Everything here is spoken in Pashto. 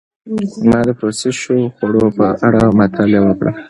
ما د پروسس شوو خوړو په اړه مطالعه وکړه.